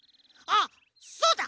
あっそうだ！